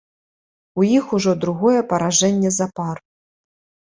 У іх ужо другое паражэнне запар.